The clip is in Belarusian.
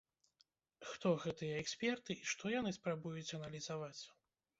Хто гэтыя эксперты і што яны спрабуюць аналізаваць?